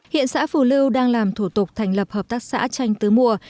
hiện xã phù lưu đang làm thủ tục thành lập hợp tác xã chanh tứ mùa